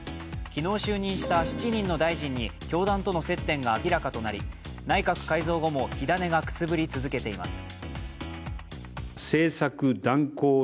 昨日就任した７人の大臣に教団との接点が明らかとなり内閣改造後も火種がくすぶり続けています。